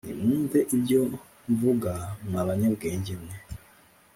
“nimwumve ibyo mvuga mwa banyabwenge mwe,